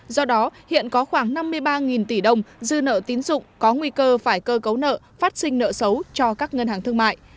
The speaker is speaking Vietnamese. do đó hiện có khoảng năm mươi ba tỷ đồng dư nợ tín dụng có nguy cơ phải cơ cấu nợ phát sinh nợ xấu cho các ngân hàng thương mại